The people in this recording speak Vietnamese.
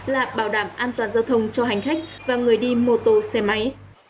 là bảo đảm an toàn giao thông cho hành khách và người đi mô tô xe máy